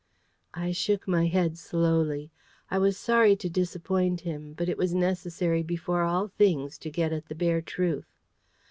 I shook my head slowly. I was sorry to disappoint him; but it was necessary before all things to get at the bare truth.